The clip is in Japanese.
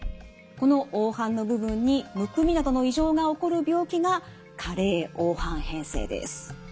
この黄斑の部分にむくみなどの異常が起こる病気が加齢黄斑変性です。